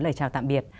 lời chào tạm biệt